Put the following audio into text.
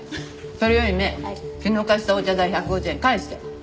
それよりね昨日貸したお茶代１５０円返して！